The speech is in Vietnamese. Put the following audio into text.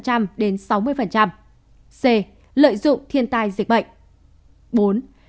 c lợi dụng thiên tai dịch bệnh